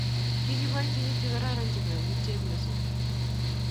kikiboitinik chekororon chebo eut chebyosok.